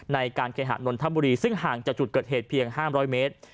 ในการเคหะนนทบุรีซึ่งห่างจากจุดเกิดเหตุเพียง๕๐๐เมตร